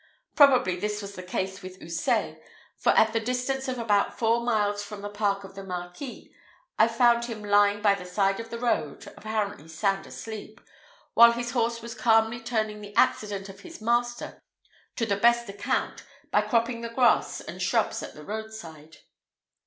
Probably this was the case with Houssaye; for at the distance of about four miles from the park of the Marquis, I found him lying by the side of the road, apparently sound asleep, while his horse was calmly turning the accident of his master to the best account, by cropping the grass and shrubs at the roadside.